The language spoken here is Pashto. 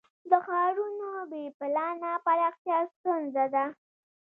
د ښارونو بې پلانه پراختیا ستونزه ده.